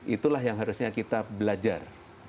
itulah yang harusnya kita belajar